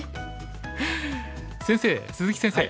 先生鈴木先生。